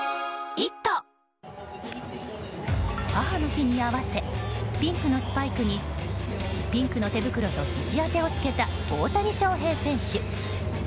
母の日に合わせピンクのスパイクにピンクの手袋とひじ当てをつけた大谷翔平選手。